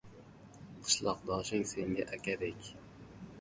• Qishloqdoshing senga akadek.